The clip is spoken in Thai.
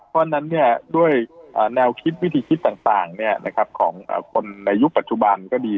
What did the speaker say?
เพราะฉะนั้นด้วยแนวคิดวิธีคิดต่างของคนในยุคปัจจุบันก็ดี